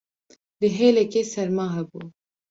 li hêlekê serma hebû